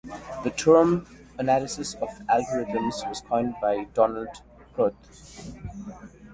The term "analysis of algorithms" was coined by Donald Knuth.